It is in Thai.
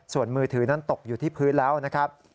ส่วนมือถือนั้นตกอยู่ที่พื้นแล้วนะครับ